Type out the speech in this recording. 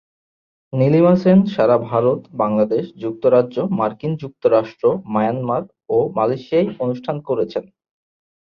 নীলিমা সেন সারা ভারত, বাংলাদেশ, যুক্তরাজ্য, মার্কিন যুক্তরাষ্ট্র, মায়ানমার ও মালয়েশিয়ায় অনুষ্ঠান করেছেন।